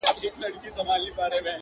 د شګوفو تر ونو لاندي دمه سوم -